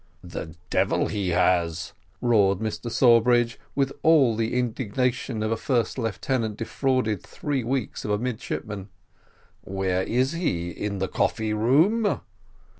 "The devil he has," roared Mr Sawbridge, with all the indignation of a first lieutenant defrauded three weeks of a midshipman; "where is he; in the coffee room?"